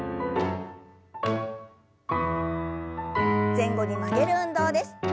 前後に曲げる運動です。